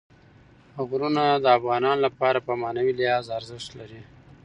غرونه د افغانانو لپاره په معنوي لحاظ ارزښت لري.